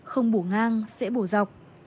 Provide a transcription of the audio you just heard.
không bổ ngang sẽ bổ dọc